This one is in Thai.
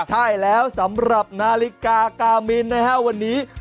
ใช่แล้วสำหรับนาฬิกากามินนะฮะวันนี้